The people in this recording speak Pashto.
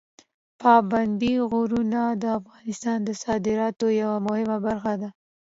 پابندي غرونه د افغانستان د صادراتو یوه مهمه برخه ده.